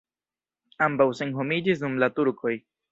Ambaŭ senhomiĝis dum la turkoj.